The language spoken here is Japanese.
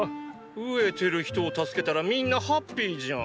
飢えてる人を助けたらみんなハッピーじゃん。